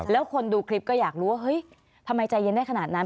แล้วคนดูคลิปก็อยากรู้ว่าเฮ้ยทำไมใจเย็นได้ขนาดนั้น